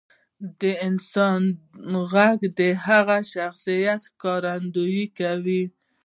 • د انسان ږغ د هغه د شخصیت ښکارندویي کوي.